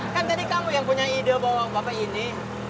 kan tadi kamu yang punya ide bawang bapak ini